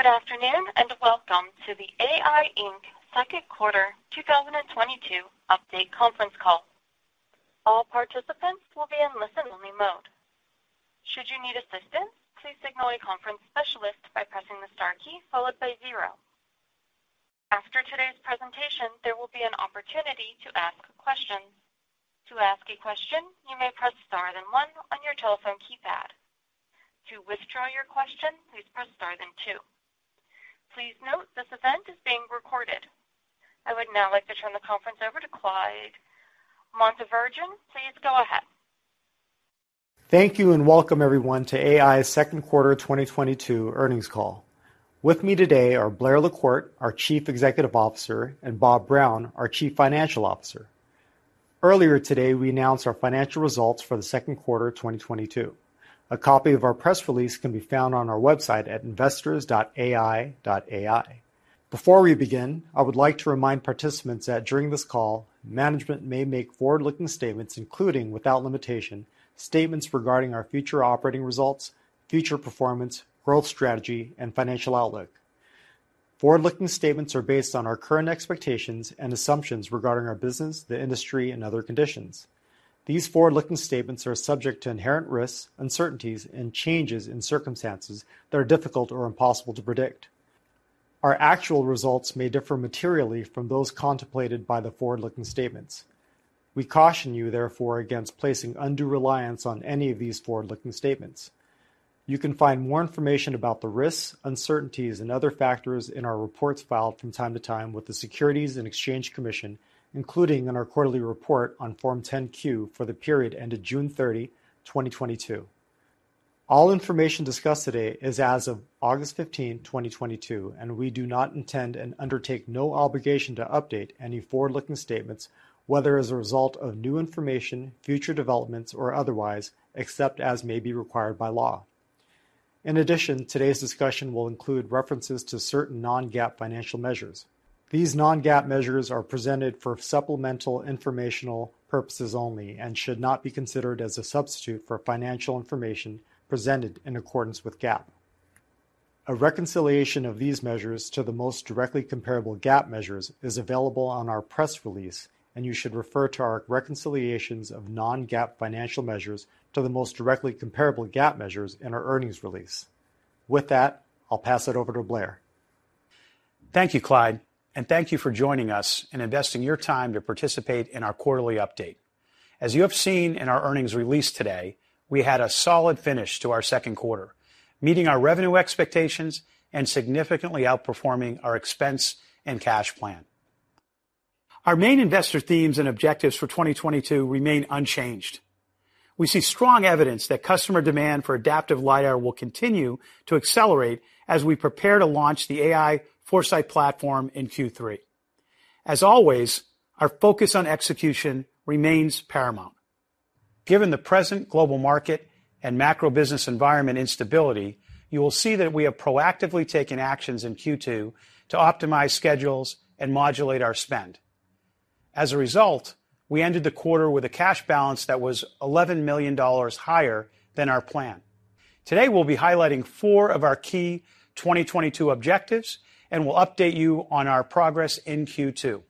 Good afternoon, and welcome to the AEye, Inc. Q2 2022 update conference call. All participants will be in listen only mode. Should you need assistance, please signal a conference specialist by pressing the star key followed by zero. After today's presentation, there will be an opportunity to ask questions. To ask a question, you may press star then one on your telephone keypad. To withdraw your question, please press star then two. Please note this event is being recorded. I would now like to turn the conference over to Clyde Montevirgen. Please go ahead. Thank you, and welcome everyone to AEye's Q2 2022 earnings call. With me today are Blair LaCorte, our Chief Executive Officer, and Bob Brown, our Chief Financial Officer. Earlier today, we announced our financial results for the Q2 of 2022. A copy of our press release can be found on our website at investors.aeye.ai. Before we begin, I would like to remind participants that during this call, management may make forward-looking statements including without limitation, statements regarding our future operating results, future performance, growth strategy, and financial outlook. Forward-looking statements are based on our current expectations and assumptions regarding our business, the industry, and other conditions. These forward-looking statements are subject to inherent risks, uncertainties, and changes in circumstances that are difficult or impossible to predict. Our actual results may differ materially from those contemplated by the forward-looking statements. We caution you therefore against placing undue reliance on any of these forward-looking statements. You can find more information about the risks, uncertainties and other factors in our reports filed from time to time with the Securities and Exchange Commission, including in our quarterly report on Form 10-Q for the period ended June 30, 2022. All information discussed today is as of August 15, 2022, and we do not intend and undertake no obligation to update any forward-looking statements, whether as a result of new information, future developments, or otherwise, except as may be required by law. In addition, today's discussion will include references to certain non-GAAP financial measures. These non-GAAP measures are presented for supplemental informational purposes only and should not be considered as a substitute for financial information presented in accordance with GAAP. A reconciliation of these measures to the most directly comparable GAAP measures is available on our press release, and you should refer to our reconciliations of non-GAAP financial measures to the most directly comparable GAAP measures in our earnings release. With that, I'll pass it over to Blair. Thank you, Clyde, and thank you for joining us and investing your time to participate in our quarterly update. As you have seen in our earnings release today, we had a solid finish to our Q2, meeting our revenue expectations and significantly outperforming our expense and cash plan. Our main investor themes and objectives for 2022 remain unchanged. We see strong evidence that customer demand for adaptive LiDAR will continue to accelerate as we prepare to launch the AEye 4Sight platform in Q3. As always, our focus on execution remains paramount. Given the present global market and macro business environment instability, you will see that we have proactively taken actions in Q2 to optimize schedules and modulate our spend. As a result, we ended the quarter with a cash balance that was $11 million higher than our plan. Today, we'll be highlighting four of our key 2022 objectives, and we'll update you on our progress in Q2.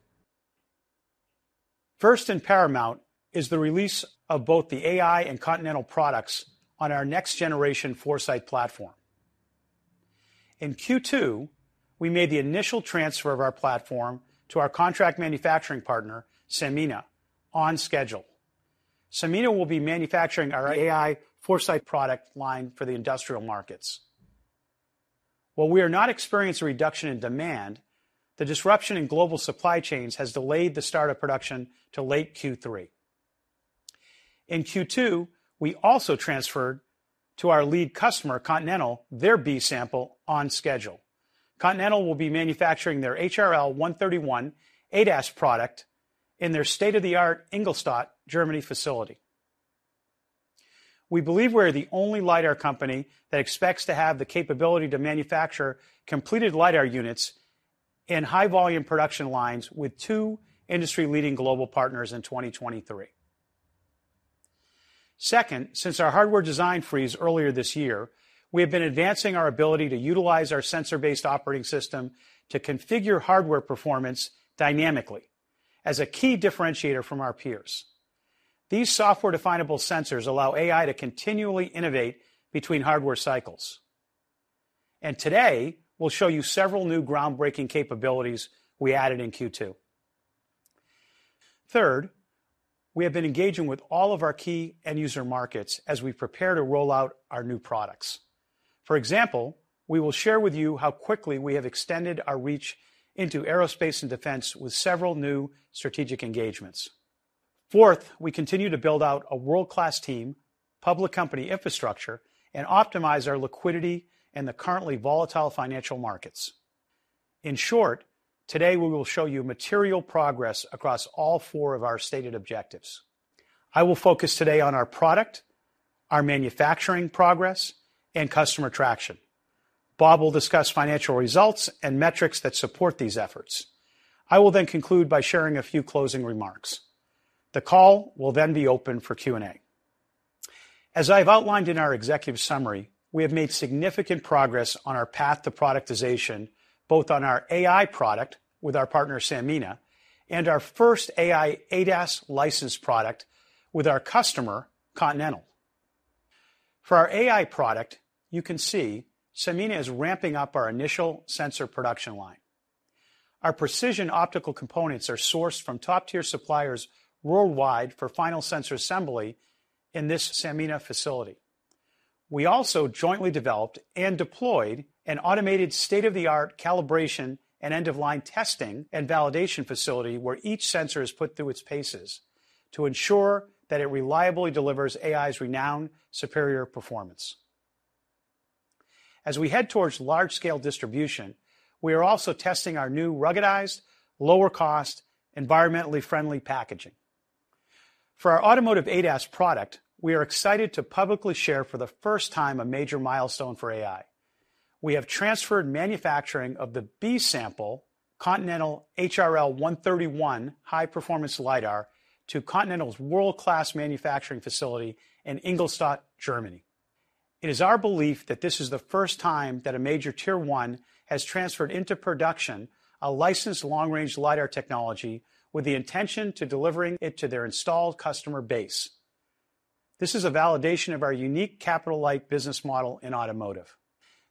First and paramount is the release of both the AEye and Continental products on our next generation 4Sight platform. In Q2, we made the initial transfer of our platform to our contract manufacturing partner, Sanmina, on schedule. Sanmina will be manufacturing our AEye 4Sight product line for the industrial markets. While we are not experiencing a reduction in demand, the disruption in global supply chains has delayed the start of production to late Q3. In Q2, we also transferred to our lead customer, Continental, their B sample on schedule. Continental will be manufacturing their HRL131 ADAS product in their state-of-the-art Ingolstadt, Germany facility. We believe we're the only LiDAR company that expects to have the capability to manufacture completed LiDAR units in high volume production lines with two industry-leading global partners in 2023. Second, since our hardware design freeze earlier this year, we have been advancing our ability to utilize our sensor-based operating system to configure hardware performance dynamically as a key differentiator from our peers. These software-definable sensors allow AEye to continually innovate between hardware cycles. Today, we'll show you several new groundbreaking capabilities we added in Q2. Third, we have been engaging with all of our key end user markets as we prepare to roll out our new products. For example, we will share with you how quickly we have extended our reach into Aerospace and defense with several new strategic engagements. Fourth, we continue to build out a world-class team, public company infrastructure, and optimize our liquidity in the currently volatile financial markets. In short, today we will show you material progress across all four of our stated objectives. I will focus today on our product, our manufacturing progress, and customer traction. Bob will discuss financial results and metrics that support these efforts. I will then conclude by sharing a few closing remarks. The call will then be open for Q&A. As I have outlined in our executive summary, we have made significant progress on our path to productization, both on our AI product with our partner, Sanmina, and our first AI ADAS licensed product with our customer, Continental. For our AI product, you can see Sanmina is ramping up our initial sensor production line. Our precision optical components are sourced from top-tier suppliers worldwide for final sensor assembly in this Sanmina facility. We also jointly developed and deployed an automated state-of-the-art calibration and end-of-line testing and validation facility where each sensor is put through its paces to ensure that it reliably delivers AEye's renowned superior performance. As we head towards large-scale distribution, we are also testing our new ruggedized, lower-cost, environmentally friendly packaging. For our automotive ADAS product, we are excited to publicly share for the first time a major milestone for AI. We have transferred manufacturing of the B sample Continental HRL131 high-performance LiDAR to Continental's world-class manufacturing facility in Ingolstadt, Germany. It is our belief that this is the first time that a major tier one has transferred into production a licensed long-range LiDAR technology with the intention to deliver it to their installed customer base. This is a validation of our unique capital-light business model in automotive.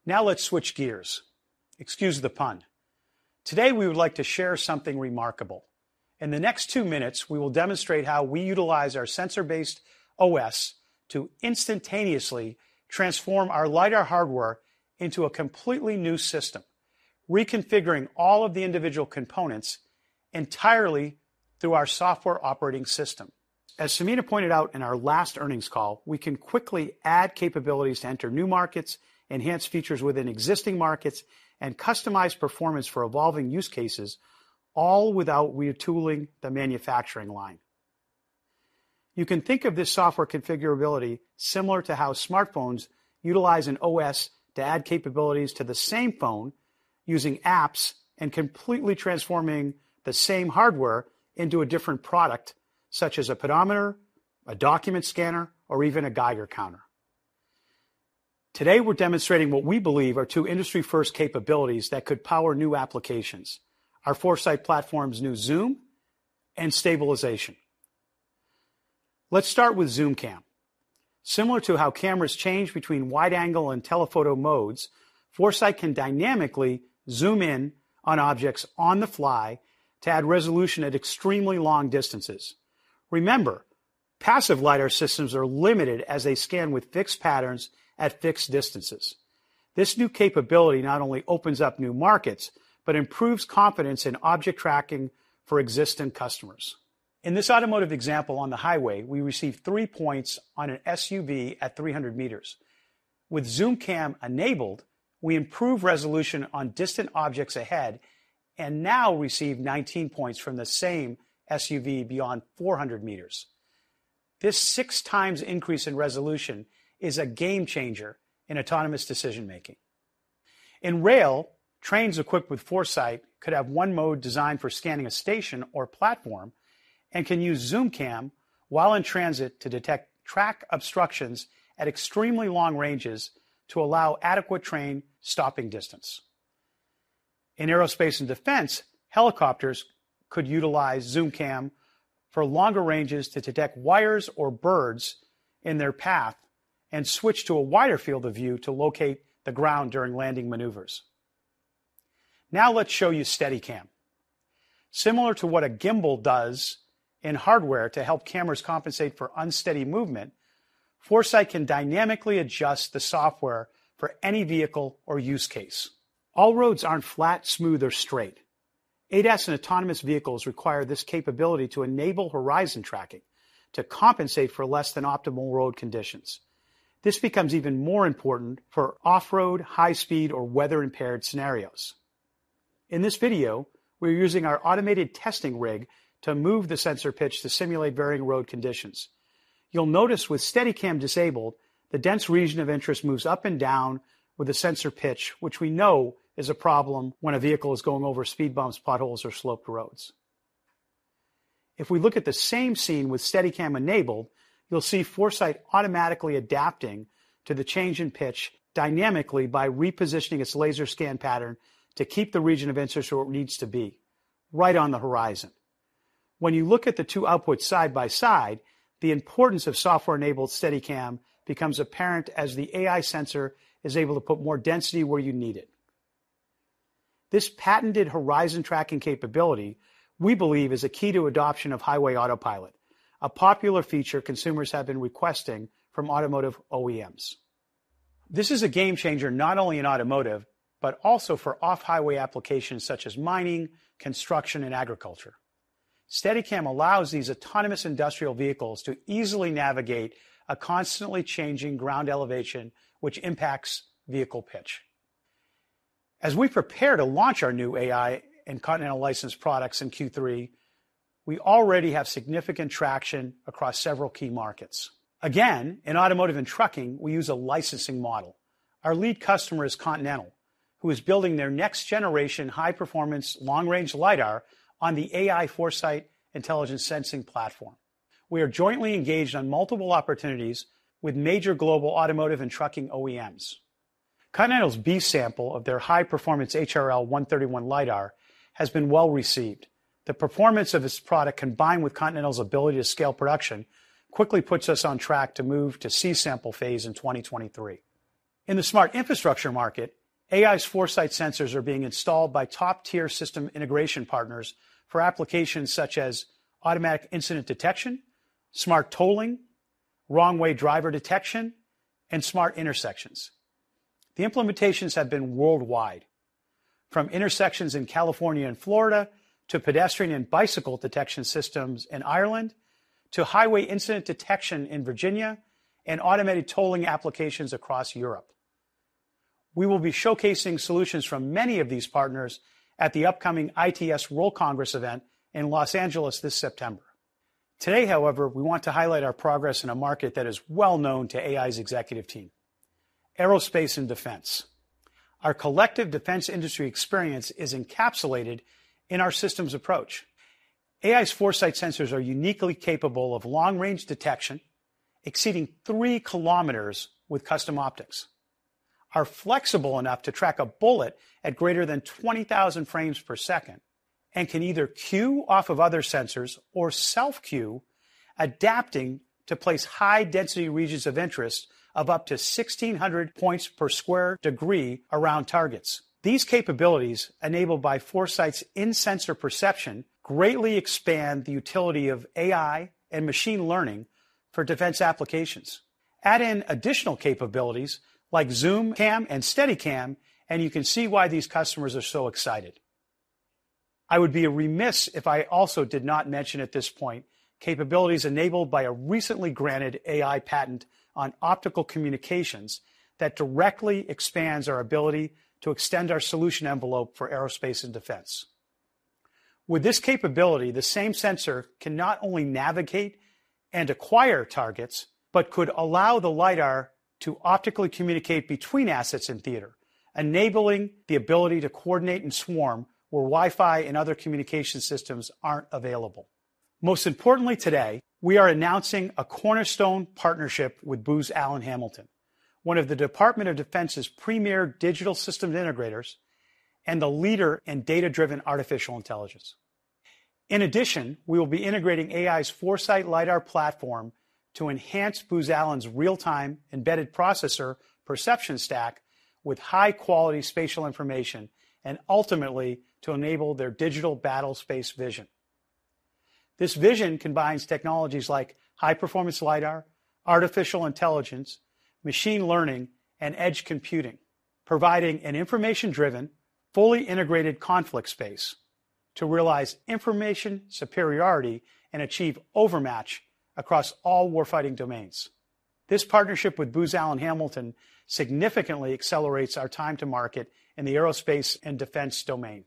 Now let's switch gears. Excuse the pun. Today, we would like to share something remarkable. In the next two minutes, we will demonstrate how we utilize our sensor-based OS to instantaneously transform our LiDAR hardware into a completely new system, reconfiguring all of the individual components entirely through our software operating system. As Sanmina pointed out in our last earnings call, we can quickly add capabilities to enter new markets, enhance features within existing markets, and customize performance for evolving use cases, all without retooling the manufacturing line. You can think of this software configurability similar to how smartphones utilize an OS to add capabilities to the same phone using apps and completely transforming the same hardware into a different product, such as a pedometer, a document scanner, or even a Geiger counter. Today, we're demonstrating what we believe are two industry first capabilities that could power new applications. Our 4Sight platform's new zoom and stabilization. Let's start with zoom cam. Similar to how cameras change between wide angle and telephoto modes, 4Sight can dynamically zoom in on objects on the fly to add resolution at extremely long distances. Remember, passive LiDAR systems are limited as they scan with fixed patterns at fixed distances. This new capability not only opens up new markets, but improves confidence in object tracking for existing customers. In this automotive example on the highway, we receive three points on an SUV at 300 meters. With zoom cam enabled, we improve resolution on distant objects ahead and now receive 19 points from the same SUV beyond 400 meters. This six times increase in resolution is a game changer in autonomous decision-making. In rail, trains equipped with 4Sight could have one mode designed for scanning a station or platform and can use zoom cam while in transit to detect track obstructions at extremely long ranges to allow adequate train stopping distance. In Aerospace and defense, helicopters could utilize zoom cam for longer ranges to detect wires or birds in their path and switch to a wider field of view to locate the ground during landing maneuvers. Now let's show you steady cam. Similar to what a gimbal does in hardware to help cameras compensate for unsteady movement, 4Sight can dynamically adjust the software for any vehicle or use case. All roads aren't flat, smooth, or straight. ADAS and autonomous vehicles require this capability to enable horizon tracking to compensate for less than optimal road conditions. This becomes even more important for off-road, high-speed, or weather-impaired scenarios. In this video, we're using our automated testing rig to move the sensor pitch to simulate varying road conditions. You'll notice with steady cam disabled, the dense region of interest moves up and down with the sensor pitch, which we know is a problem when a vehicle is going over speed bumps, potholes, or sloped roads. If we look at the same scene with steady cam enabled, you'll see 4Sight automatically adapting to the change in pitch dynamically by repositioning its laser scan pattern to keep the region of interest where it needs to be, right on the horizon. When you look at the two outputs side by side, the importance of software-enabled steady cam becomes apparent as the AI sensor is able to put more density where you need it. This patented horizon tracking capability, we believe is a key to adoption of Highway Autopilot, a popular feature consumers have been requesting from automotive OEMs. This is a game changer not only in automotive, but also for off-highway applications such as mining, construction, and agriculture. Steady cam allows these autonomous industrial vehicles to easily navigate a constantly changing ground elevation, which impacts vehicle pitch. As we prepare to launch our new AEye and Continental licensed products in Q3, we already have significant traction across several key markets. Again, in automotive and trucking, we use a licensing model. Our lead customer is Continental, who is building their next generation high performance long-range LiDAR on the AEye 4Sight intelligent sensing platform. We are jointly engaged on multiple opportunities with major global automotive and trucking OEMs. Continental's B sample of their high performance HRL131 LiDAR has been well-received. The performance of this product, combined with Continental's ability to scale production, quickly puts us on track to move to C sample phase in 2023. In the smart infrastructure market, AEye's 4Sight sensors are being installed by top-tier system integration partners for applications such as automatic incident detection, smart tolling, wrong way driver detection, and smart intersections. The implementations have been worldwide, from intersections in California and Florida, to pedestrian and bicycle detection systems in Ireland, to highway incident detection in Virginia, and automated tolling applications across Europe. We will be showcasing solutions from many of these partners at the upcoming ITS World Congress event in Los Angeles this September. Today, however, we want to highlight our progress in a market that is well known to AEye's executive team, Aerospace and defense. Our collective defense industry experience is encapsulated in our systems approach. AEye's 4Sight sensors are uniquely capable of long-range detection, exceeding three kilometers with custom optics, are flexible enough to track a bullet at greater than 20,000 frames per second, and can either cue off of other sensors or self-cue, adapting to place high-density regions of interest of up to 1,600 points per square degree around targets. These capabilities, enabled by 4Sight's in-sensor perception, greatly expand the utility of AEye and machine learning for defense applications. Add in additional capabilities like zoom cam and steady cam, and you can see why these customers are so excited. I would be remiss if I also did not mention at this point, capabilities enabled by a recently granted AEye patent on optical communications that directly expands our ability to extend our solution envelope for Aerospace and defense. With this capability, the same sensor can not only navigate and acquire targets, but could allow the LiDAR to optically communicate between assets in theater, enabling the ability to coordinate and swarm where Wi-Fi and other communication systems aren't available. Most importantly today, we are announcing a cornerstone partnership with Booz Allen Hamilton, one of the Department of Defense's premier digital systems integrators and a leader in data-driven artificial intelligence. In addition, we will be integrating AEye's 4Sight LiDAR platform to enhance Booz Allen's real-time embedded processor perception stack with high-quality spatial information, and ultimately, to enable their digital battlespace vision. This vision combines technologies like high-performance LiDAR, artificial intelligence, machine learning, and edge computing, providing an information-driven, fully integrated conflict space to realize information superiority and achieve overmatch across all war fighting domains. This partnership with Booz Allen Hamilton significantly accelerates our time to market in the Aerospace and defense domain.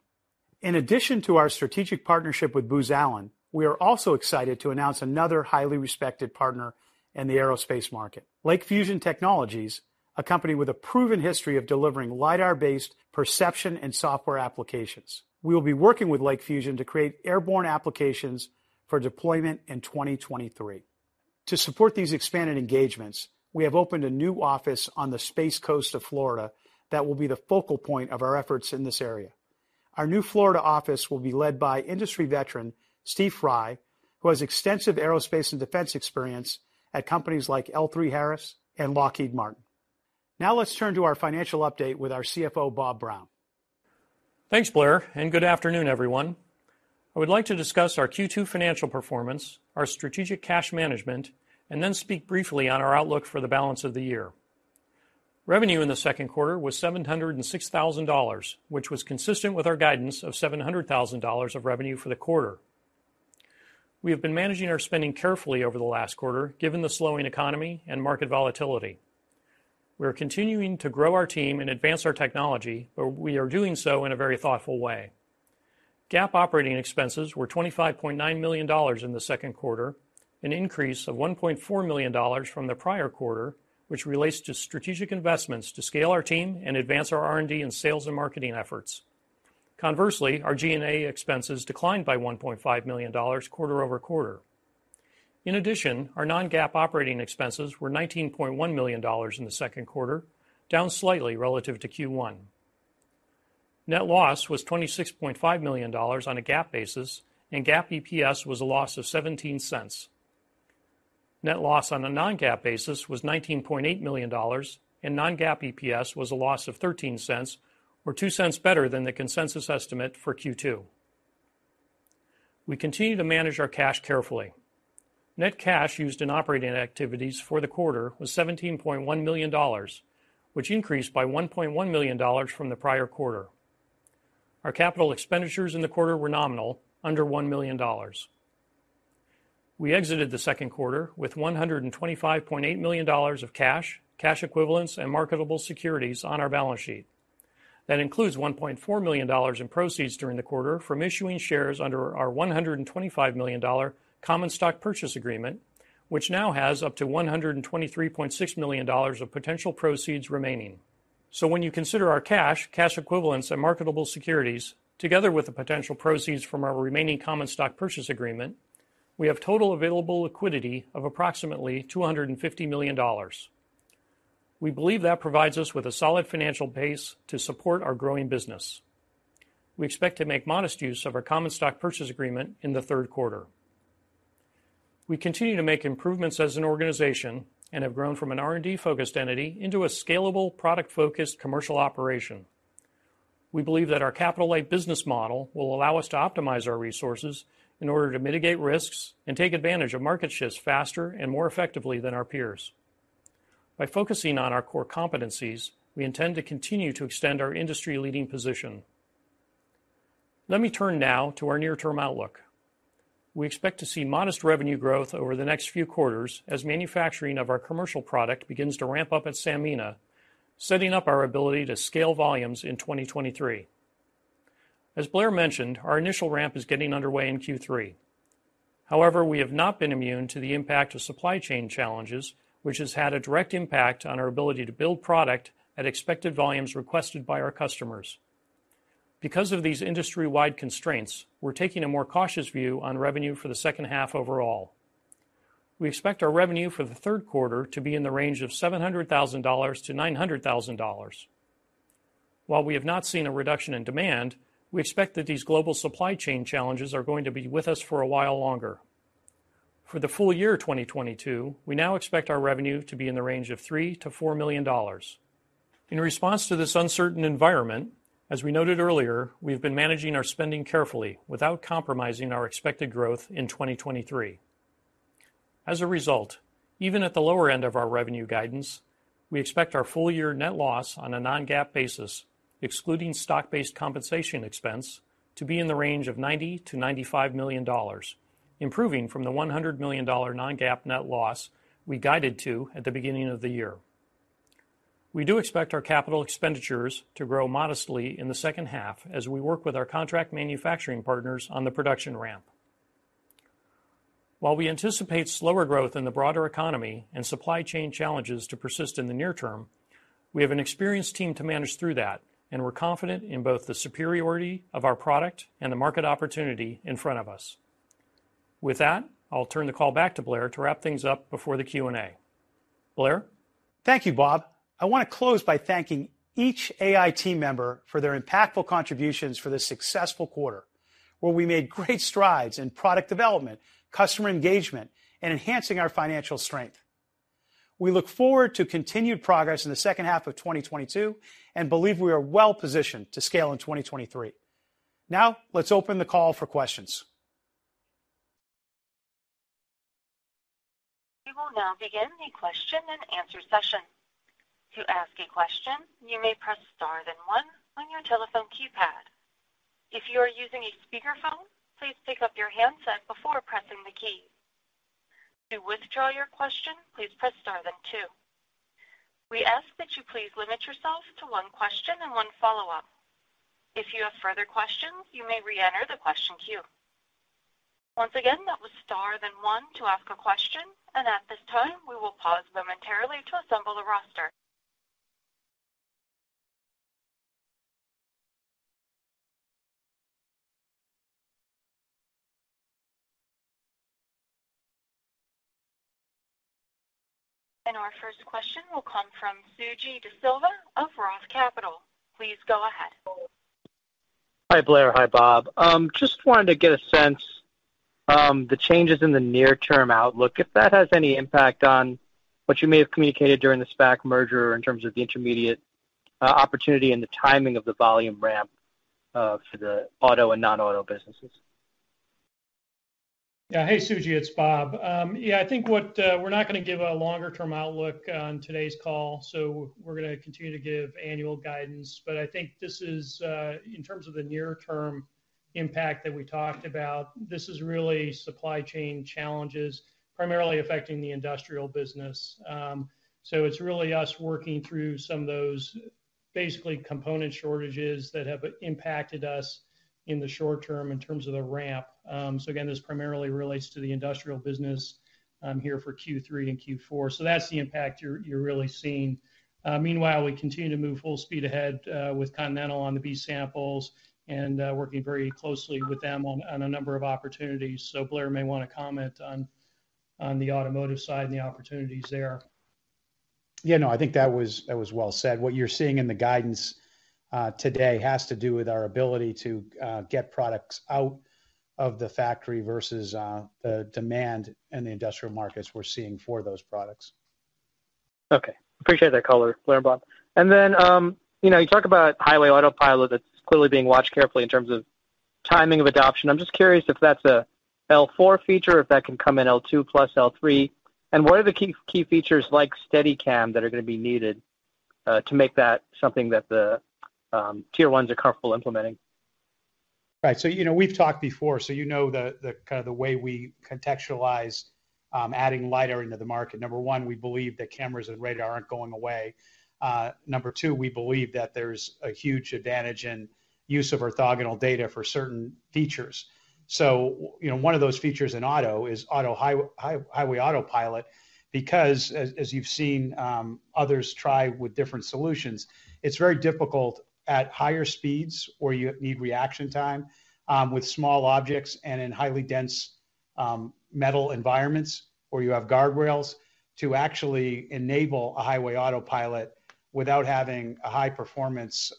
In addition to our strategic partnership with Booz Allen, we are also excited to announce another highly respected partner in the Aerospace market, LAKE FUSION Technologies, a company with a proven history of delivering LiDAR-based perception and software applications. We will be working with LAKE FUSION to create airborne applications for deployment in 2023. To support these expanded engagements, we have opened a new office on the Space Coast of Florida that will be the focal point of our efforts in this area. Our new Florida office will be led by industry veteran, Steve Fry, who has extensive Aerospace and defense experience at companies like L3Harris and Lockheed Martin. Now let's turn to our financial update with our CFO, Bob Brown. Thanks, Blair, and good afternoon, everyone. I would like to discuss our Q2 financial performance, our strategic cash management, and then speak briefly on our outlook for the balance of the year. Revenue in the Q2 was $706,000, which was consistent with our guidance of $700,000 of revenue for the quarter. We have been managing our spending carefully over the last quarter, given the slowing economy and market volatility. We are continuing to grow our team and advance our technology, but we are doing so in a very thoughtful way. GAAP operating expenses were $25.9 million in the Q2, an increase of $1.4 million from the prior quarter, which relates to strategic investments to scale our team and advance our R&D and sales and marketing efforts. Conversely, our G&A expenses declined by $1.5 million quarter-over-quarter. In addition, our non-GAAP operating expenses were $19.1 million in the Q2, down slightly relative to Q1. Net loss was $26.5 million on a GAAP basis, and GAAP EPS was a loss of $0.17. Net loss on a non-GAAP basis was $19.8 million, and non-GAAP EPS was a loss of $0.13 or $0.02 better than the consensus estimate for Q2. We continue to manage our cash carefully. Net cash used in operating activities for the quarter was $17.1 million, which increased by $1.1 million from the prior quarter. Our capital expenditures in the quarter were nominal, under $1 million. We exited the Q2 with $125.8 million of cash equivalents, and marketable securities on our balance sheet. That includes $1.4 million in proceeds during the quarter from issuing shares under our $125 million common stock purchase agreement, which now has up to $123.6 million of potential proceeds remaining. When you consider our cash equivalents, and marketable securities, together with the potential proceeds from our remaining common stock purchase agreement, we have total available liquidity of approximately $250 million. We believe that provides us with a solid financial base to support our growing business. We expect to make modest use of our common stock purchase agreement in the Q3. We continue to make improvements as an organization and have grown from an R&D-focused entity into a scalable product-focused commercial operation. We believe that our capital-light business model will allow us to optimize our resources in order to mitigate risks and take advantage of market shifts faster and more effectively than our peers. By focusing on our core competencies, we intend to continue to extend our industry-leading position. Let me turn now to our near-term outlook. We expect to see modest revenue growth over the next few quarters as manufacturing of our commercial product begins to ramp up at Sanmina, setting up our ability to scale volumes in 2023. As Blair mentioned, our initial ramp is getting underway in Q3. However, we have not been immune to the impact of supply chain challenges, which has had a direct impact on our ability to build product at expected volumes requested by our customers. Because of these industry-wide constraints, we're taking a more cautious view on revenue for the second half overall. We expect our revenue for the Q3 to be in the range of $700,000-$900,000. While we have not seen a reduction in demand, we expect that these global supply chain challenges are going to be with us for a while longer. For the full year 2022, we now expect our revenue to be in the range of $3 million-$4 million. In response to this uncertain environment, as we noted earlier, we've been managing our spending carefully without compromising our expected growth in 2023. As a result, even at the lower end of our revenue guidance, we expect our full year net loss on a non-GAAP basis, excluding stock-based compensation expense, to be in the range of $90-$95 million, improving from the $100 million non-GAAP net loss we guided to at the beginning of the year. We do expect our capital expenditures to grow modestly in the second half as we work with our contract manufacturing partners on the production ramp. While we anticipate slower growth in the broader economy and supply chain challenges to persist in the near term, we have an experienced team to manage through that, and we're confident in both the superiority of our product and the market opportunity in front of us. With that, I'll turn the call back to Blair to wrap things up before the Q&A. Blair? Thank you, Bob. I want to close by thanking each AEye team member for their impactful contributions for this successful quarter, where we made great strides in product development, customer engagement, and enhancing our financial strength. We look forward to continued progress in the second half of 2022 and believe we are well positioned to scale in 2023. Now, let's open the call for questions. We will now begin the question and answer session. To ask a question, you may press star then one on your telephone keypad. If you are using a speakerphone, please pick up your handset before pressing the key. To withdraw your question, please press star then two. We ask that you please limit yourself to one question and one follow-up. If you have further questions, you may re-enter the question queue. Once again, that was star then one to ask a question. At this time, we will pause momentarily to assemble the roster. Our first question will come from Suji Desilva of Roth Capital. Please go ahead. Hi, Blair. Hi, Bob. Just wanted to get a sense, the changes in the near-term outlook, if that has any impact on what you may have communicated during the SPAC merger in terms of the intermediate opportunity and the timing of the volume ramp, for the auto and non-auto businesses? Yeah. Hey, Suji, it's Bob. I think we're not gonna give a longer-term outlook on today's call, so we're gonna continue to give annual guidance. I think this is in terms of the near-term impact that we talked about. This is really supply chain challenges primarily affecting the industrial business. It's really us working through some of those basically component shortages that have impacted us in the short term in terms of the ramp. Again, this primarily relates to the industrial business here for Q3 and Q4. That's the impact you're really seeing. Meanwhile, we continue to move full speed ahead with Continental on the B samples and working very closely with them on a number of opportunities. Blair may wanna comment on the automotive side and the opportunities there. Yeah, no, I think that was well said. What you're seeing in the guidance today has to do with our ability to get products out of the factory versus the demand in the industrial markets we're seeing for those products. Okay. Appreciate that color, Blair and Bob. Then, you know, you talk about Highway Autopilot that's clearly being watched carefully in terms of timing of adoption. I'm just curious if that's a L4 feature or if that can come in L2 plus L3. What are the key features like Steadicam that are gonna be needed to make that something that the Tier 1s are comfortable implementing? Right. You know, we've talked before, so you know the kind of way we contextualize adding LiDAR into the market. Number one, we believe that cameras and radar aren't going away. Number two, we believe that there's a huge advantage in use of orthogonal data for certain features. You know, one of those features in auto is Highway Autopilot, because as you've seen, others try with different solutions, it's very difficult at higher speeds where you need reaction time with small objects and in highly dense metal environments where you have guardrails to actually enable a Highway Autopilot without having a high performance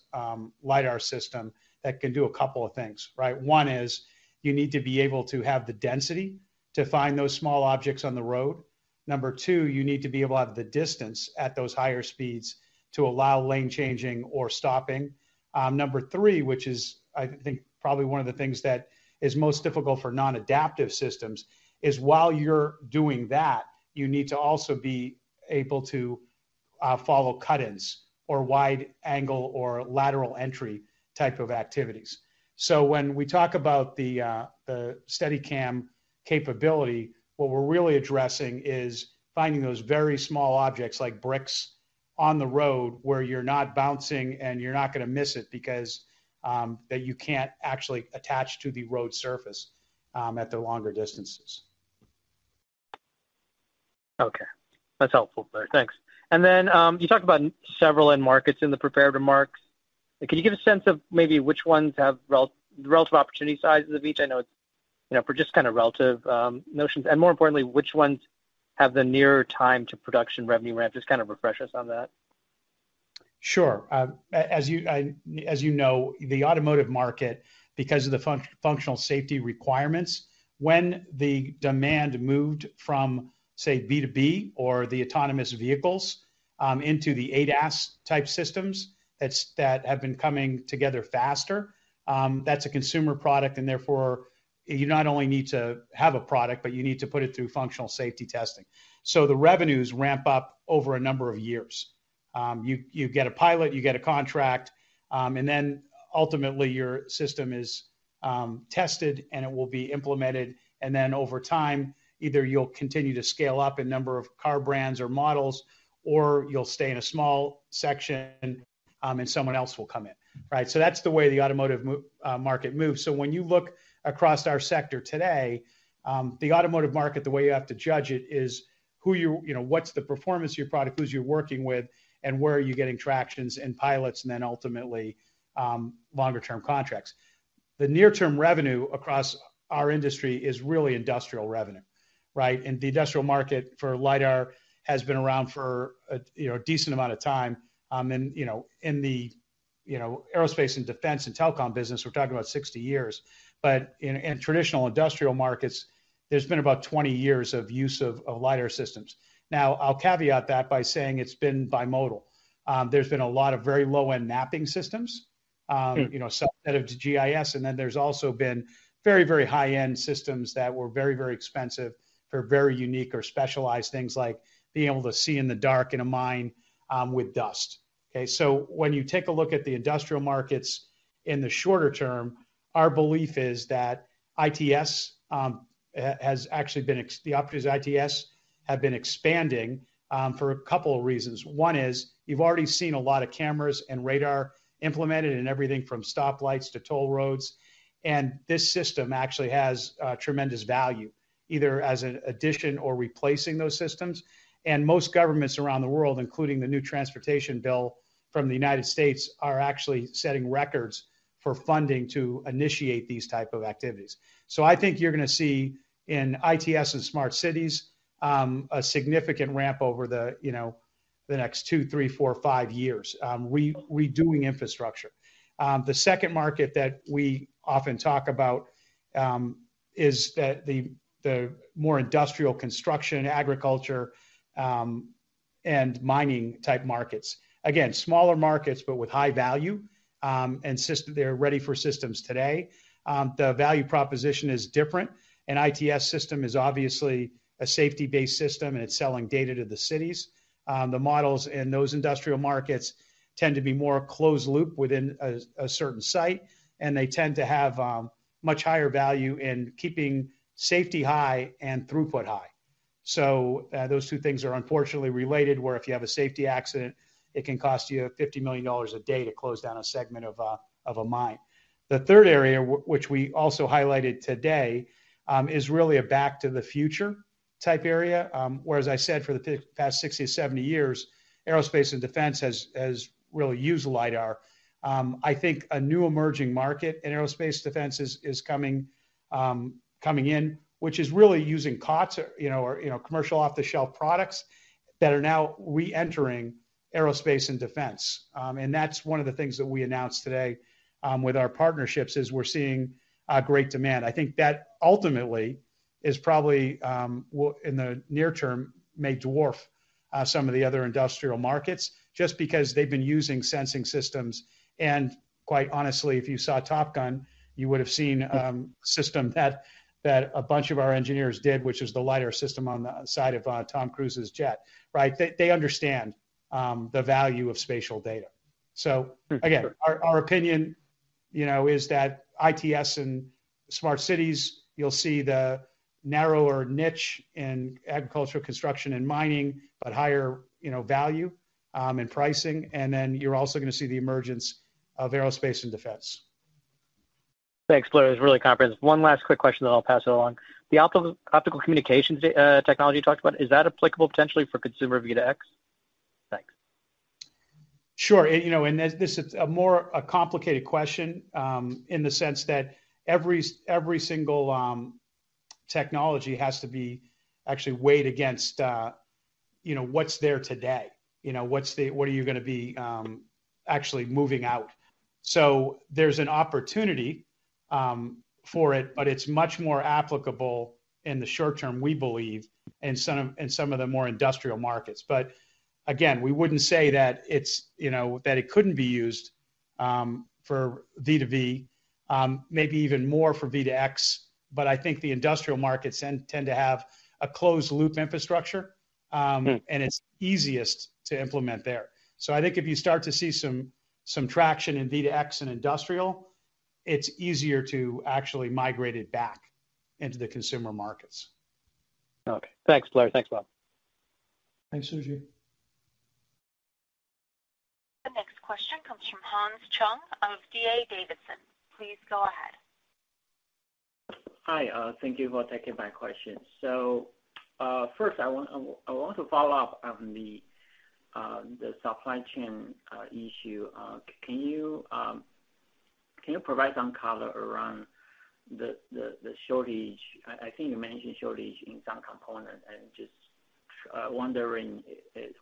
LiDAR system that can do a couple of things, right? One is you need to be able to have the density to find those small objects on the road. Number two, you need to be able to have the distance at those higher speeds to allow lane changing or stopping. Number three, which is, I think, probably one of the things that is most difficult for non-adaptive systems, is while you're doing that, you need to also be able to follow cut-ins or wide angle or lateral entry type of activities. When we talk about the Steadicam capability, what we're really addressing is finding those very small objects like bricks on the road where you're not bouncing and you're not gonna miss it because that you can't actually attach to the road surface at the longer distances. Okay. That's helpful there. Thanks. You talked about several end markets in the prepared remarks. Can you give a sense of maybe which ones have the relative opportunity sizes of each? I know it's, you know, for just kind of relative, notions, and more importantly, which ones have the nearer time to production revenue ramp? Just kind of refresh us on that. Sure. As you know, the automotive market, because of the functional safety requirements, when the demand moved from, say, B2B or the autonomous vehicles, into the ADAS type systems that have been coming together faster, that's a consumer product and therefore you not only need to have a product, but you need to put it through functional safety testing. The revenues ramp up over a number of years. You get a pilot, you get a contract, and then ultimately your system is tested, and it will be implemented. Then over time, either you'll continue to scale up in number of car brands or models, or you'll stay in a small section, and someone else will come in. Right? That's the way the automotive market moves. When you look across our sector today, the automotive market, the way you have to judge it is who you're, you know, what's the performance of your product, who you're working with, and where are you getting traction and pilots and then ultimately longer term contracts. The near term revenue across our industry is really industrial revenue, right? The industrial market for LiDAR has been around for a, you know, a decent amount of time. You know, in the, you know, Aerospace and defense and telecom business, we're talking about 60 years. In traditional industrial markets, there's been about 20 years of use of LiDAR systems. Now, I'll caveat that by saying it's been bimodal. There's been a lot of very low-end mapping systems. Mm-hmm... you know, substantive to GIS, and then there's also been very, very high-end systems that were very, very expensive for very unique or specialized things like being able to see in the dark in a mine with dust. Okay. When you take a look at the industrial markets in the shorter term, our belief is that the operators of ITS have been expanding for a couple of reasons. One is you've already seen a lot of cameras and radar implemented in everything from stoplights to toll roads, and this system actually has tremendous value either as an addition or replacing those systems. Most governments around the world, including the new transportation bill from the United States, are actually setting records for funding to initiate these type of activities. I think you're gonna see in ITS and smart cities a significant ramp over the, you know, the next two, three, four, five years, redoing infrastructure. The second market that we often talk about is the more industrial construction, agriculture, and mining type markets. Again, smaller markets, but with high value, and they're ready for systems today. The value proposition is different. An ITS system is obviously a safety-based system, and it's selling data to the cities. The models in those industrial markets tend to be more closed loop within a certain site, and they tend to have much higher value in keeping safety high and throughput high. Those two things are unfortunately related, where if you have a safety accident, it can cost you $50 million a day to close down a segment of a mine. The third area which we also highlighted today is really a back to the future type area, where as I said, for the past 60-70 years, Aerospace and defense has really used LiDAR. I think a new emerging market in Aerospace defense is coming in, which is really using COTS, you know, or commercial off-the-shelf products that are now reentering Aerospace and defense. That's one of the things that we announced today with our partnerships, is we're seeing great demand. I think that ultimately will in the near term may dwarf some of the other industrial markets just because they've been using sensing systems. Quite honestly, if you saw Top Gun, you would have seen a system that a bunch of our engineers did, which is the LiDAR system on the side of Tom Cruise's jet, right? They understand the value of spatial data. Sure. Again, our opinion, you know, is that ITS and smart cities, you'll see the narrower niche in agricultural construction and mining, but higher, you know, value in pricing. Then you're also gonna see the emergence of Aerospace and defense. Thanks, Blair. That was really comprehensive. One last quick question then I'll pass it along. The optical communications technology you talked about, is that applicable potentially for consumer V2X? Thanks. Sure. This is a more complicated question in the sense that every single technology has to be actually weighed against, you know, what's there today. You know, what are you gonna be actually moving out. There's an opportunity for it, but it's much more applicable in the short term, we believe, in some of the more industrial markets. Again, we wouldn't say that it's, you know, that it couldn't be used for V2V, maybe even more for V2X, but I think the industrial markets tend to have a closed loop infrastructure. Hmm It's easiest to implement there. I think if you start to see some traction in V2X and industrial, it's easier to actually migrate it back into the consumer markets. Okay. Thanks, Blair. Thanks, Bob. Thanks, Suji. The next question comes from Hans Chung of D.A. Davidson. Please go ahead. Hi, thank you for taking my question. First I want to follow up on the supply chain issue. Can you provide some color around the shortage I think you mentioned in some component, and just wondering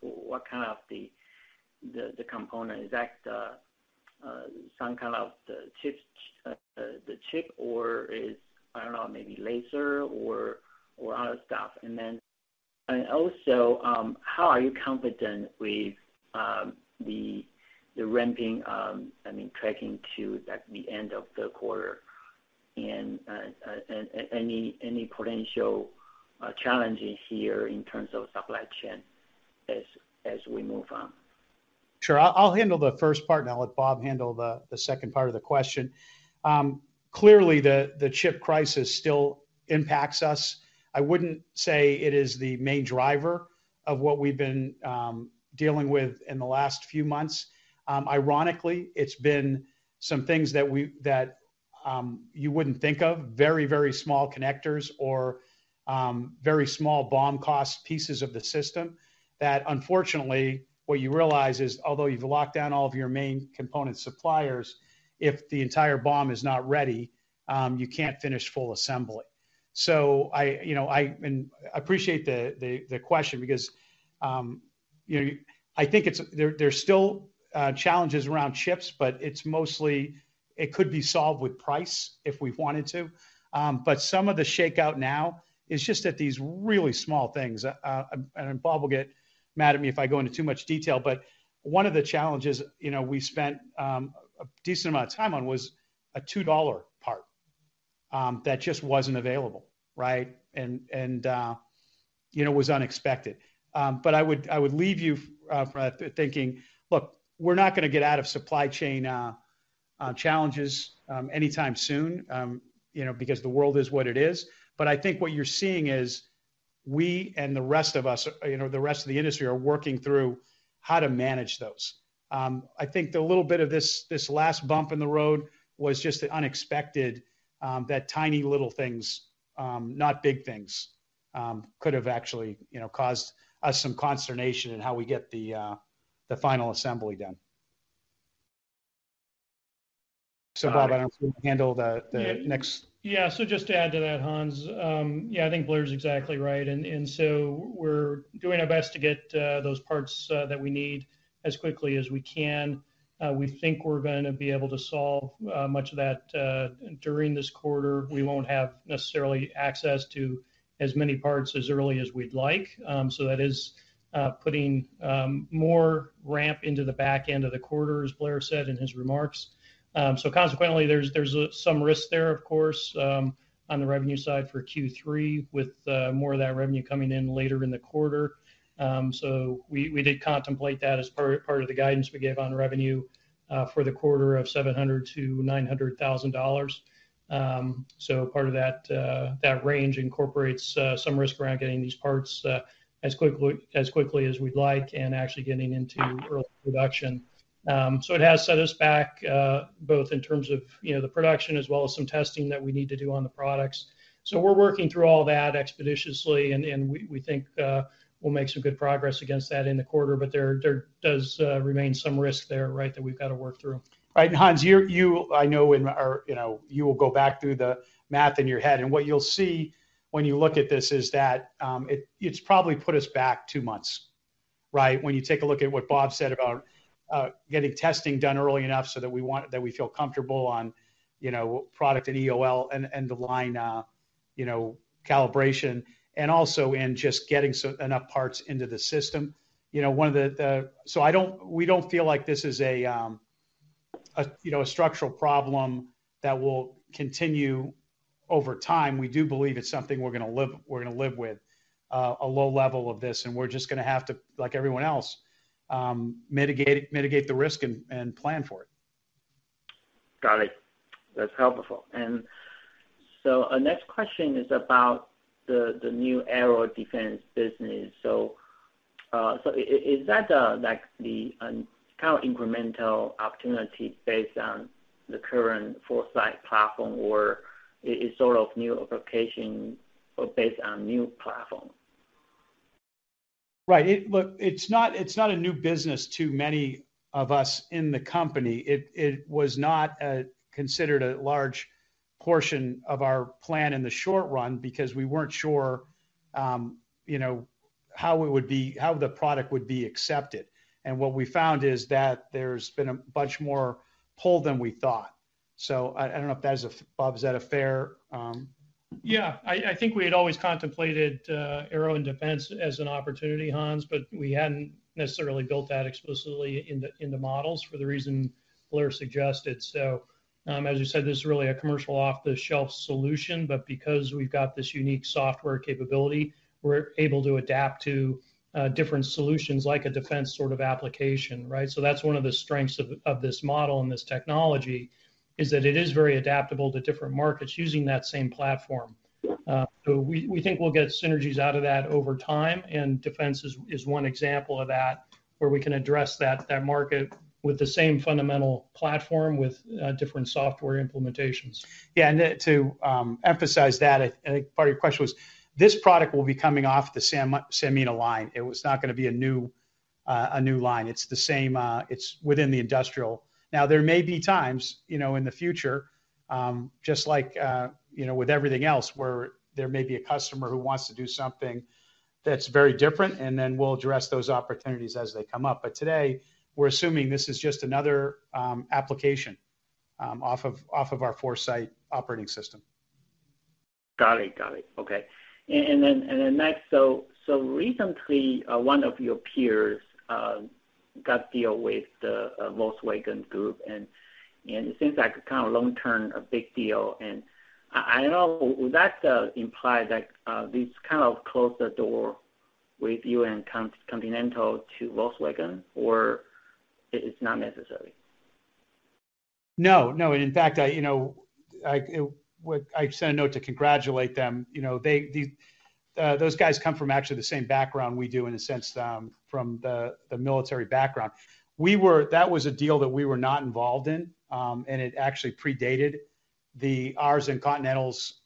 what kind of the component. Is that some kind of the chips, the chip or is, I don't know, maybe laser or other stuff. Also, how are you confident with the ramping, I mean, tracking to the end of the quarter and any potential challenges here in terms of supply chain as we move on? Sure. I'll handle the first part and I'll let Bob handle the second part of the question. Clearly the chip crisis still impacts us. I wouldn't say it is the main driver of what we've been dealing with in the last few months. Ironically, it's been some things that you wouldn't think of, very small connectors or very small BOM cost pieces of the system. Unfortunately what you realize is, although you've locked down all of your main component suppliers, if the entire BOM is not ready, you can't finish full assembly. I appreciate the question because, you know, I think there's still challenges around chips, but it's mostly it could be solved with price if we wanted to. Some of the shakeout now is just that these really small things, and Bob will get mad at me if I go into too much detail, but one of the challenges, you know, we spent a decent amount of time on was a $2 part that just wasn't available, right? And you know, was unexpected. I would leave you thinking, look, we're not gonna get out of supply chain challenges anytime soon, you know, because the world is what it is. I think what you're seeing is we and the rest of us, you know, the rest of the industry are working through how to manage those. I think the little bit of this last bump in the road was just the unexpected that tiny little things, not big things, could have actually, you know, caused us some consternation in how we get the final assembly done. Got it. Bob, I don't know if you can handle the next. Yeah. Just to add to that, Hans, yeah, I think Blair's exactly right. We're doing our best to get those parts that we need as quickly as we can. We think we're gonna be able to solve much of that during this quarter. We won't have necessarily access to as many parts as early as we'd like, so that is putting more ramp into the back end of the quarter, as Blair said in his remarks. Consequently, there's some risk there, of course, on the revenue side for Q3 with more of that revenue coming in later in the quarter. We did contemplate that as part of the guidance we gave on revenue for the quarter of $700,000-$900,000. Part of that range incorporates some risk around getting these parts as quickly as we'd like and actually getting into early production. It has set us back both in terms of, you know, the production as well as some testing that we need to do on the products. We're working through all that expeditiously and we think we'll make some good progress against that in the quarter. There does remain some risk there, right, that we've got to work through. Right. Hans, you know, I know you'll go back through the math in your head and what you'll see when you look at this is that it's probably put us back two months, right? When you take a look at what Bob said about getting testing done early enough so that we feel comfortable on product and EOL end-to-end line, you know, calibration and also in just getting enough parts into the system. We don't feel like this is a, you know, a structural problem that will continue over time. We do believe it's something we're gonna live with, a low level of this, and we're just gonna have to, like everyone else, mitigate the risk and plan for it. Got it. That's helpful. Our next question is about the new aero defense business. Is that like the kind of incremental opportunity based on the current 4Sight platform, or is sort of new application or based on new platform? Right. Look, it's not a new business to many of us in the company. It was not considered a large portion of our plan in the short run because we weren't sure, you know, how it would be, how the product would be accepted. What we found is that there's been a much more pull than we thought. I don't know if that is a, Bob, is that a fair, Yeah. I think we had always contemplated aero and defense as an opportunity, Hans, but we hadn't necessarily built that explicitly in the models for the reason Blair suggested. As you said, this is really a commercial off-the-shelf solution, but because we've got this unique software capability, we're able to adapt to different solutions like a defense sort of application, right? That's one of the strengths of this model and this technology, is that it is very adaptable to different markets using that same platform. We think we'll get synergies out of that over time, and defense is one example of that, where we can address that market with the same fundamental platform with different software implementations. Yeah. To emphasize that, I think part of your question was, this product will be coming off the Sanmina line. It was not gonna be a new line. It's the same, it's within the industrial. Now, there may be times, you know, in the future, just like, you know, with everything else, where there may be a customer who wants to do something that's very different, and then we'll address those opportunities as they come up. But today, we're assuming this is just another application off of our 4Sight operating system. Got it. Okay. Then next, recently, one of your peers got a deal with the Volkswagen Group, and it seems like kind of a long-term big deal. I know, would that imply that this kind of closes the door with you and Continental to Volkswagen, or is it not necessarily? No, no. In fact, you know, I sent a note to congratulate them. You know, they, those guys come from actually the same background we do, in a sense, from the military background. That was a deal that we were not involved in, and it actually predated our and Continental's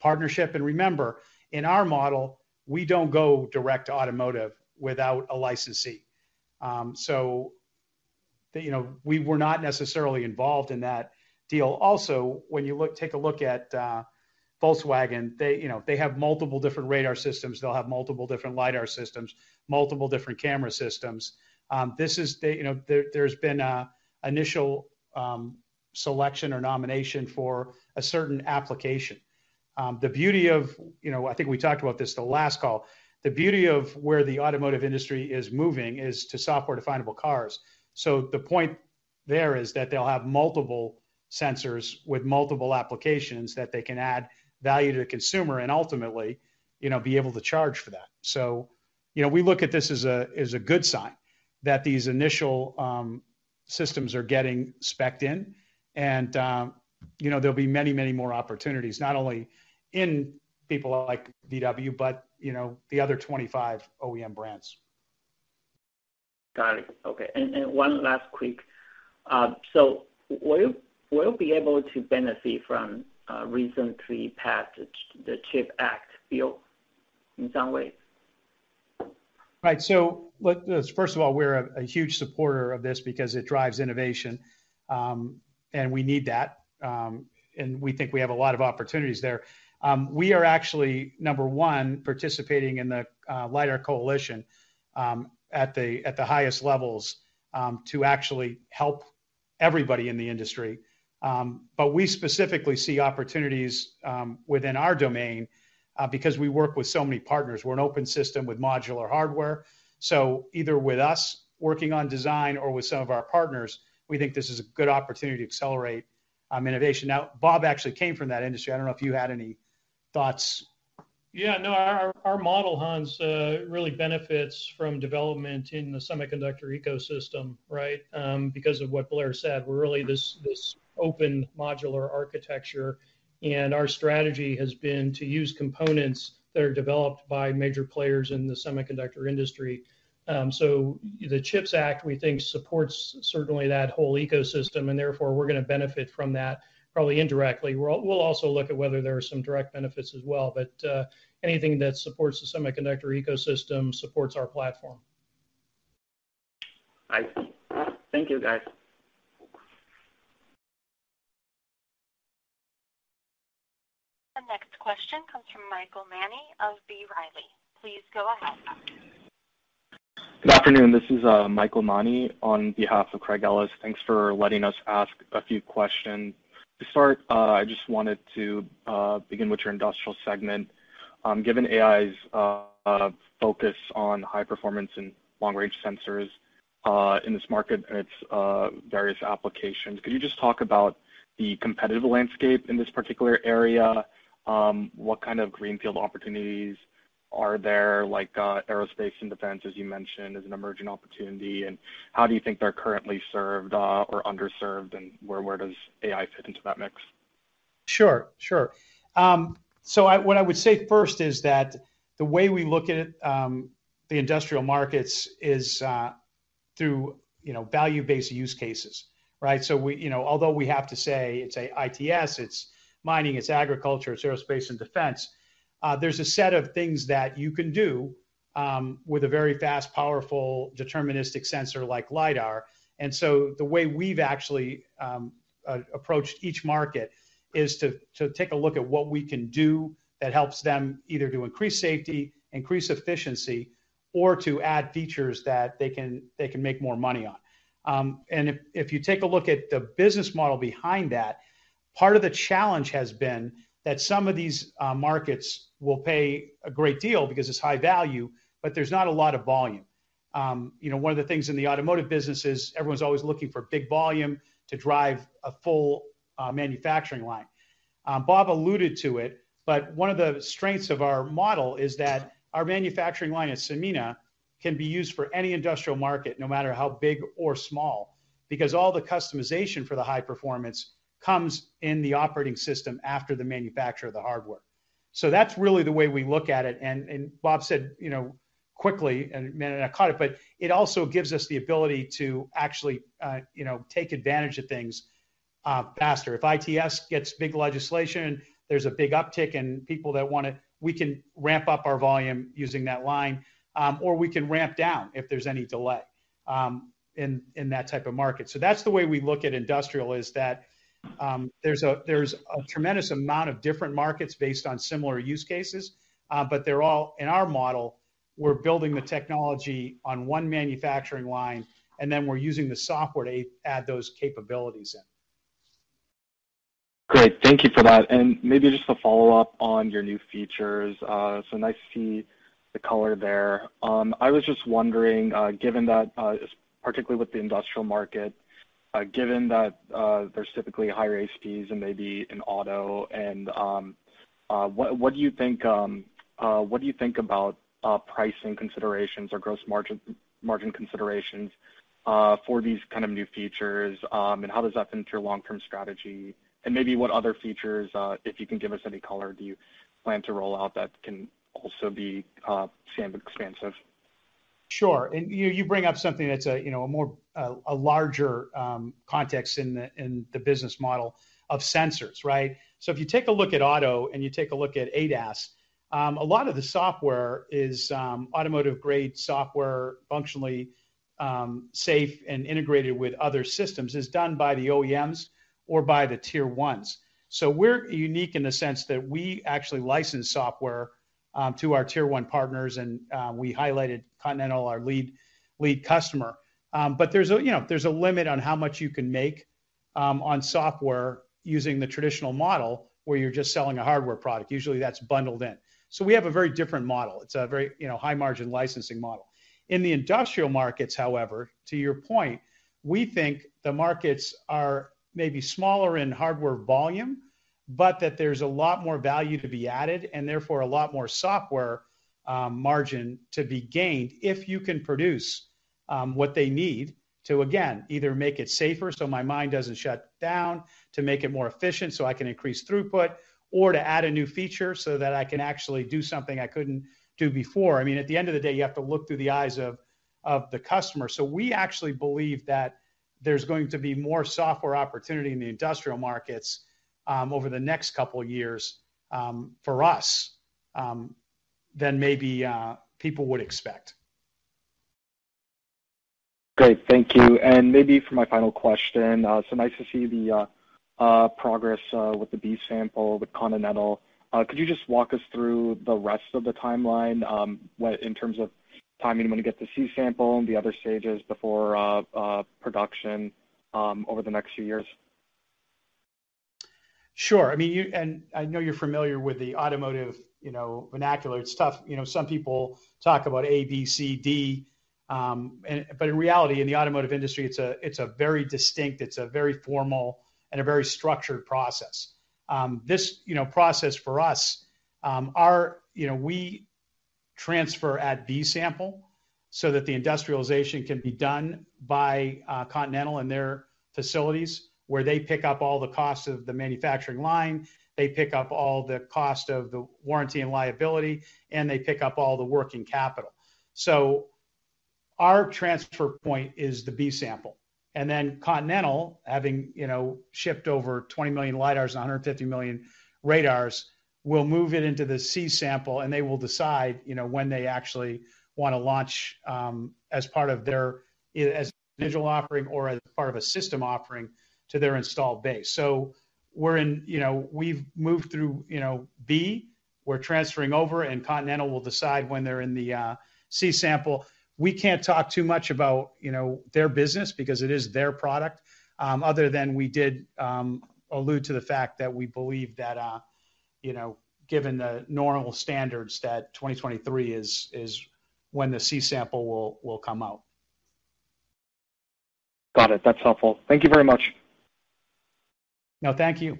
partnership. Remember, in our model, we don't go direct to automotive without a licensee. You know, we were not necessarily involved in that deal. Also, when you look, take a look at Volkswagen, they, you know, have multiple different radar systems. They'll have multiple different LiDAR systems, multiple different camera systems. This is, they, you know, there's been an initial selection or nomination for a certain application. The beauty of, you know, I think we talked about this the last call. The beauty of where the automotive industry is moving is to software definable cars. The point there is that they'll have multiple sensors with multiple applications that they can add value to the consumer and ultimately, you know, be able to charge for that. You know, we look at this as a good sign that these initial systems are getting specced in. You know, there'll be many, many more opportunities, not only in people like VW but, you know, the other 25 OEM brands. Got it. Okay. One last quick. Will you be able to benefit from recently passed the CHIPS Act bill in some ways? Right. Let's first of all, we're a huge supporter of this because it drives innovation, and we need that, and we think we have a lot of opportunities there. We are actually number one participating in the LiDAR Coalition at the highest levels to actually help everybody in the industry. We specifically see opportunities within our domain because we work with so many partners. We're an open system with modular hardware. Either with us working on design or with some of our partners, we think this is a good opportunity to accelerate innovation. Now, Bob actually came from that industry. I don't know if you had any thoughts. Yeah. No. Our model, Hans, really benefits from development in the semiconductor ecosystem, right? Because of what Blair said, we're really this open modular architecture, and our strategy has been to use components that are developed by major players in the semiconductor industry. So the CHIPS Act, we think supports certainly that whole ecosystem, and therefore, we're gonna benefit from that probably indirectly. We'll also look at whether there are some direct benefits as well, but anything that supports the semiconductor ecosystem supports our platform. Right. Thank you, guys. The next question comes from Michael Mullen of B. Riley. Please go ahead. Good afternoon. This is Michael Mullen on behalf of Craig Ellis. Thanks for letting us ask a few questions. To start, I just wanted to begin with your industrial segment. Given AEye's focus on high performance and long-range sensors in this market and its various applications, could you just talk about the competitive landscape in this particular area? What kind of greenfield opportunities are there? Like, Aerospace and defense, as you mentioned, is an emerging opportunity. How do you think they're currently served or underserved, and where does AEye fit into that mix? Sure. What I would say first is that the way we look at the industrial markets is through you know value-based use cases right? You know although we have to say it's an ITS it's mining it's agriculture it's Aerospace and defense there's a set of things that you can do with a very fast powerful deterministic sensor like LiDAR. The way we've actually approached each market is to take a look at what we can do that helps them either to increase safety increase efficiency or to add features that they can make more money on. If you take a look at the business model behind that, part of the challenge has been that some of these markets will pay a great deal because it's high value, but there's not a lot of volume. You know, one of the things in the automotive business is everyone's always looking for big volume to drive a full manufacturing line. Bob alluded to it, but one of the strengths of our model is that our manufacturing line at Sanmina can be used for any industrial market, no matter how big or small, because all the customization for the high performance comes in the operating system after the manufacture of the hardware. That's really the way we look at it, and Bob said, you know, quickly, and I caught it, but it also gives us the ability to actually, you know, take advantage of things faster. If ITS gets big legislation, there's a big uptick in people that want it, we can ramp up our volume using that line, or we can ramp down if there's any delay in that type of market. That's the way we look at industrial is that, there's a tremendous amount of different markets based on similar use cases, but they're all in our model, we're building the technology on one manufacturing line, and then we're using the software to add those capabilities in. Great. Thank you for that. Maybe just to follow up on your new features, so nice to see the color there. I was just wondering, given that, particularly with the industrial market, given that, there's typically higher ASPs than maybe in auto and, what do you think about pricing considerations or gross margin considerations for these kind of new features? How does that fit into your long-term strategy? Maybe what other features, if you can give us any color, do you plan to roll out that can also be as expansive? Sure. You bring up something that's you know a larger context in the business model of sensors, right? If you take a look at auto and you take a look at ADAS, a lot of the software is automotive-grade software, functionally safe and integrated with other systems, is done by the OEMs or by the Tier 1s. We're unique in the sense that we actually license software to our Tier 1 partners and we highlighted Continental, our lead customer. But you know, there's a limit on how much you can make on software using the traditional model where you're just selling a hardware product. Usually that's bundled in. We have a very different model. It's a very, you know, high-margin licensing model. In the industrial markets, however, to your point, we think the markets are maybe smaller in hardware volume, but that there's a lot more value to be added, and therefore a lot more software margin to be gained if you can produce what they need to, again, either make it safer so my mine doesn't shut down, to make it more efficient so I can increase throughput, or to add a new feature so that I can actually do something I couldn't do before. I mean, at the end of the day, you have to look through the eyes of the customer. We actually believe that there's going to be more software opportunity in the industrial markets over the next couple years for us than maybe people would expect. Great. Thank you. Maybe for my final question, so nice to see the progress with the B sample with Continental. Could you just walk us through the rest of the timeline, in terms of timing when you get the C sample and the other stages before production, over the next few years? Sure. I mean, you and I know you're familiar with the automotive you know vernacular. It's tough. You know, some people talk about A, B, C, D, and but in reality, in the automotive industry, it's a very distinct, very formal and very structured process. This you know process for us our you know we transfer at B sample so that the industrialization can be done by Continental and their facilities, where they pick up all the costs of the manufacturing line, they pick up all the cost of the warranty and liability, and they pick up all the working capital. Our transfer point is the B sample. Continental having, you know, shipped over 20 million LiDARs and 150 million radars, will move it into the C sample, and they will decide, you know, when they actually wanna launch, as part of their, as an individual offering or as part of a system offering to their installed base. We're in, you know, we've moved through, you know, B, we're transferring over and Continental will decide when they're in the C sample. We can't talk too much about, you know, their business because it is their product, other than we did allude to the fact that we believe that, you know, given the normal standards that 2023 is when the C sample will come out. Got it. That's helpful. Thank you very much. No, thank you.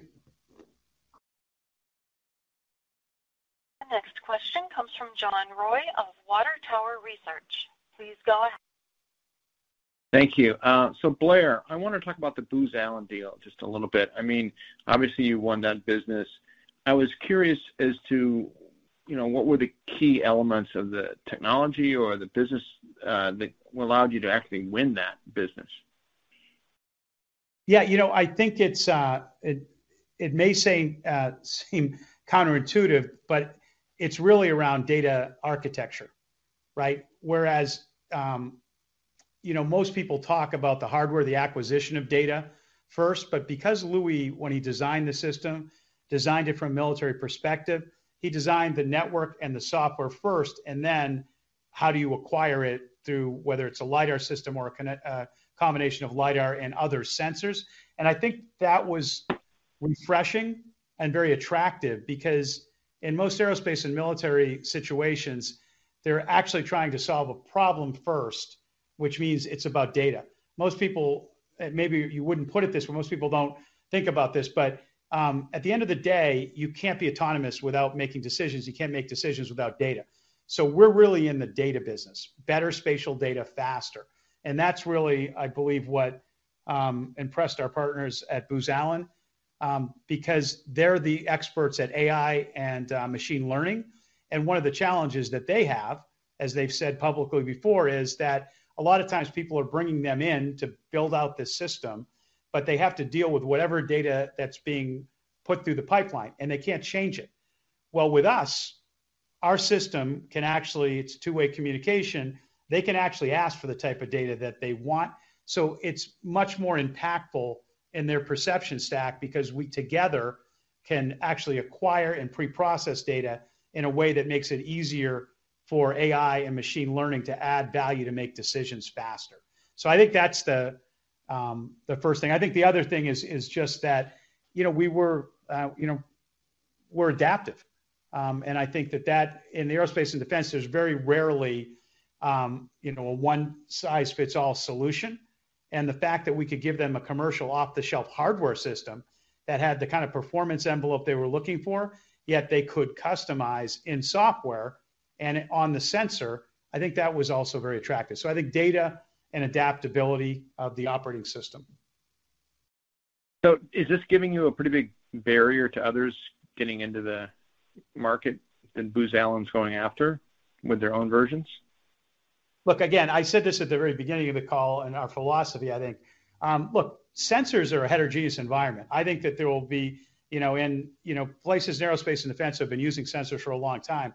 The next question comes from John Roy of Water Tower Research. Please go ahead. Thank you. Blair, I wanna talk about the Booz Allen deal just a little bit. I mean, obviously, you won that business. I was curious as to, you know, what were the key elements of the technology or the business, that allowed you to actually win that business? Yeah. You know, I think it may seem counterintuitive, but it's really around data architecture, right? Whereas, you know, most people talk about the hardware, the acquisition of data first. Because Luis, when he designed the system, designed it from a military perspective, he designed the network and the software first and then how do you acquire it through, whether it's a LiDAR system or a combination of LiDAR and other sensors. I think that was refreshing and very attractive because in most Aerospace and military situations, they're actually trying to solve a problem first, which means it's about data. Most people, maybe you wouldn't put it this way, most people don't think about this, but at the end of the day, you can't be autonomous without making decisions. You can't make decisions without data. We're really in the data business. Better spatial data faster. That's really, I believe, what impressed our partners at Booz Allen, because they're the experts at AI and machine learning. One of the challenges that they have, as they've said publicly before, is that a lot of times people are bringing them in to build out the system, but they have to deal with whatever data that's being put through the pipeline, and they can't change it. Well, with us, our system can actually, it's two-way communication, they can actually ask for the type of data that they want. It's much more impactful in their perception stack because we together can actually acquire and pre-process data in a way that makes it easier for AI and machine learning to add value to make decisions faster. I think that's the first thing. I think the other thing is just that, you know, we're adaptive. I think that in the Aerospace and defense, there's very rarely a one-size-fits-all solution. The fact that we could give them a commercial off-the-shelf hardware system that had the kind of performance envelope they were looking for, yet they could customize in software and on the sensor, I think that was also very attractive. I think data and adaptability of the operating system. Is this giving you a pretty big barrier to others getting into the market that Booz Allen Hamilton's going after with their own versions? Look, again, I said this at the very beginning of the call and our philosophy, I think. Look, sensors are a heterogeneous environment. I think that there will be, you know, in places Aerospace and defense have been using sensors for a long time.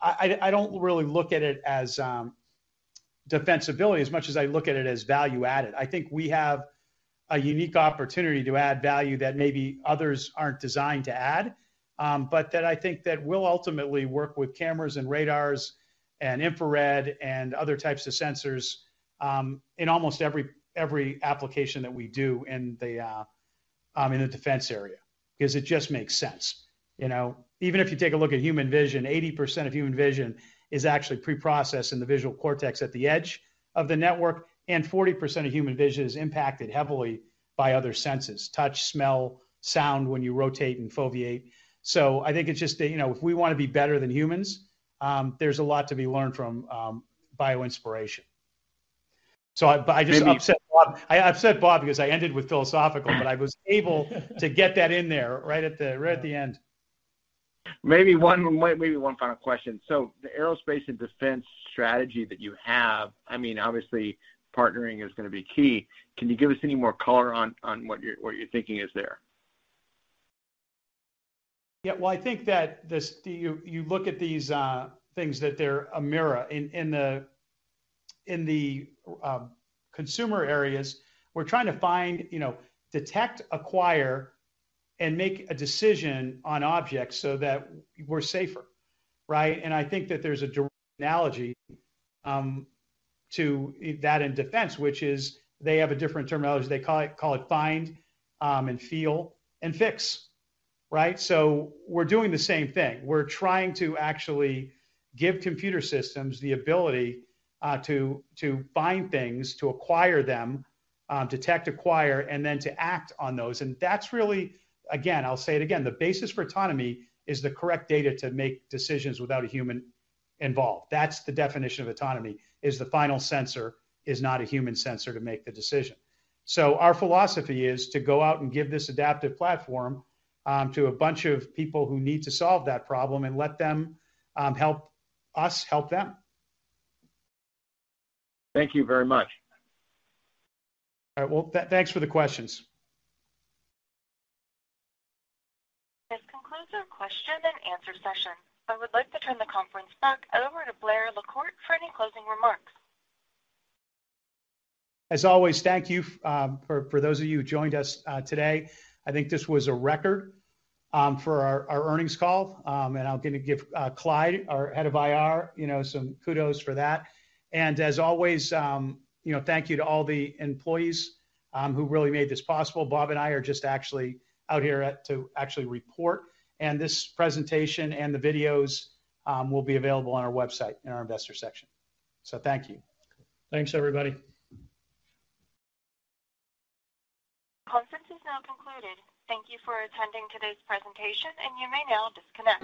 I don't really look at it as defensibility as much as I look at it as value added. I think we have a unique opportunity to add value that maybe others aren't designed to add. That I think that will ultimately work with cameras and radars and infrared and other types of sensors in almost every application that we do in the defense area, because it just makes sense, you know. Even if you take a look at human vision, 80% of human vision is actually pre-processed in the visual cortex at the edge of the network, and 40% of human vision is impacted heavily by other senses, touch, smell, sound, when you rotate and foveate. I think it's just, you know, if we wanna be better than humans, there's a lot to be learned from bio inspiration. Maybe- I just upset Bob. I upset Bob because I ended with philosophical, but I was able to get that in there right at the- Yeah. Right at the end. Maybe one final question. The Aerospace and defense strategy that you have, I mean, obviously partnering is gonna be key. Can you give us any more color on what you're thinking is there? Yeah. Well, I think that you look at these things that they're a mirror. In the consumer areas, we're trying to find, you know, detect, acquire, and make a decision on objects so that we're safer, right? I think that there's a direct analogy to that in defense, which is they have a different terminology. They call it find, and feel and fix, right? We're doing the same thing. We're trying to actually give computer systems the ability to find things, to acquire them, detect, acquire, and then to act on those. That's really, again, I'll say it again, the basis for autonomy is the correct data to make decisions without a human involved. That's the definition of autonomy, is the final sensor is not a human sensor to make the decision. Our philosophy is to go out and give this adaptive platform to a bunch of people who need to solve that problem and let them help us help them. Thank you very much. All right. Well, thanks for the questions. This concludes our question and answer session. I would like to turn the conference back over to Blair LaCorte for any closing remarks. As always, thank you for those of you who joined us today. I think this was a record for our earnings call. I'm gonna give Clyde, our head of IR, you know, some kudos for that. As always, you know, thank you to all the employees who really made this possible. Bob and I are just actually out here to actually report. This presentation and the videos will be available on our website in our investor section. Thank you. Thanks, everybody. Conference is now concluded. Thank you for attending today's presentation, and you may now disconnect.